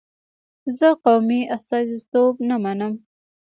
زه قومي استازیتوب نه منم.